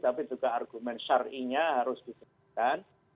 tapi juga argumen syari'nya harus diperhatikan